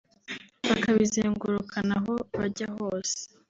bakabizengurukana aho bajya hose